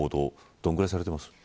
どのくらいされてますか。